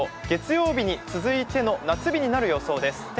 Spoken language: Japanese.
月曜日に続いての夏日になる予想です。